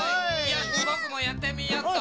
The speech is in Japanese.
よしぼくもやってみよっと。